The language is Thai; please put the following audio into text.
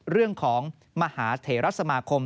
เรื่องของมหาเถระสมาคม